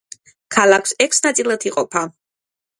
ქალაქი ექვს ნაწილად იყოფა.